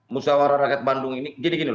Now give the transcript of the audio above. musawarah rakyat bandung ini ini